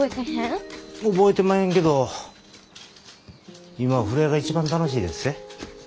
覚えてまへんけど今は風呂屋が一番楽しいでっせ。